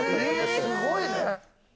すごいね。